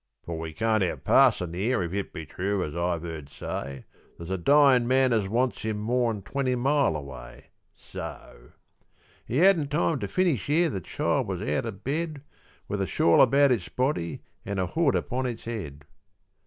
For we can't have parson here, if it be true, as I've heard say, There's a dyin' man as wants him more'n twenty mile away; So" He hadn't time to finish ere the child was out of bed, With a shawl about its body an' a hood upon its head.